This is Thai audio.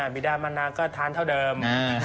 บีดามันนาก็ทานเท่าเดิม